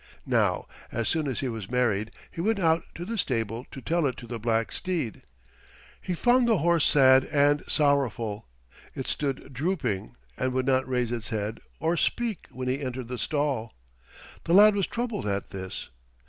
Now as soon as he was married he went out to the stable to tell it to the black steed. He found the horse sad and sorrowful. It stood drooping and would not raise its head or speak when he entered the stall. The lad was troubled at this.